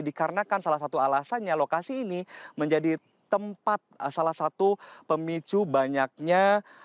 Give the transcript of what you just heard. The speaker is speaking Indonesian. dikarenakan salah satu alasannya lokasi ini menjadi tempat salah satu pemicu banyaknya